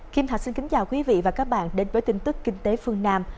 kim thạch xin kính chào quý vị và các bạn đến với tin tức kinh tế phương nam